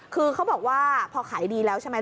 คือเขาบอกว่าพอขายดีแล้วใช่ไหม